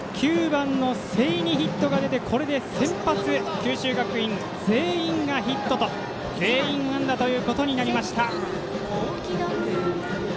９番の瀬井にヒットが出てこれで先発、九州学全員安打ということになりました。